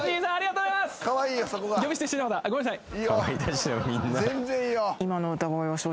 ごめんなさい。